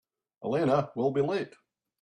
Elena will be late.